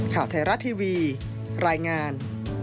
ข่าวไทยรัฐทีวีรายงาน